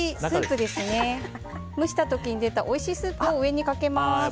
蒸した時に出たおいしいスープを上にかけます。